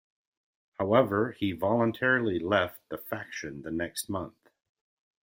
However he voluntary left the faction the next month.